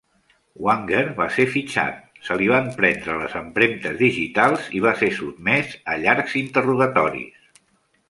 Wanger va ser fitxat, se li van prendre les empremtes digitals i va ser sotmès a llargs interrogatoris.